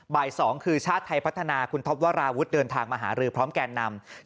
บ่าย๒คือชาติไทยพัฒนาคุณท็อปวราวุฒิเดินทางมาหารือพร้อมแก่นำ